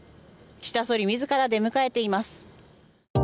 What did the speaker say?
岸田総理、自ら出迎えています。